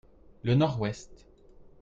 Le nord-ouest.